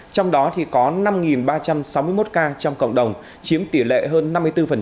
trong đó có năm ba trăm sáu mươi một ca trong cộng đồng chiếm tỷ lệ hơn năm mươi bốn